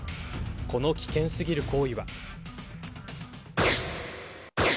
この危険過ぎる行為は。